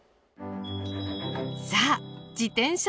さあ自転車